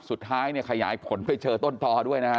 สุดท้ายเนี่ยขยายผลไปเจอต้นต่อด้วยนะฮะ